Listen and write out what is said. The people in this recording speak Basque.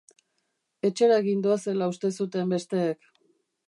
Etxera gindoazela uste zuten besteek.